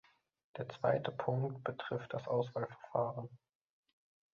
Der zweite Punkt betrifft das Auswahlverfahren.